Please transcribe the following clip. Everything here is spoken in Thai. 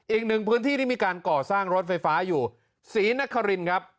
อีกหนึ่งพื้นที่ที่มีการก่อสร้างรถไฟฟ้าอยู่ศรีนครินครับ